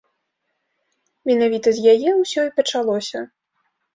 Менавіта з яе ўсё і пачалося.